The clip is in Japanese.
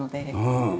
うん。